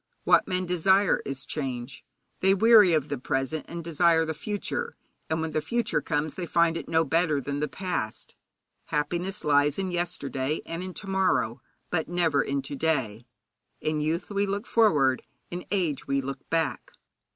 What men desire is change. They weary of the present, and desire the future; and when the future comes they find it no better than the past. Happiness lies in yesterday and in to morrow, but never in to day. In youth we look forward, in age we look back.